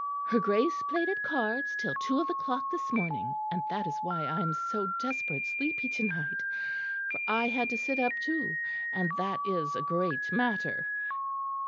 Her Grace played at cards till two of the clock this morning, and that is why I am so desperate sleepy to night, for I had to sit up too; and that is a great matter.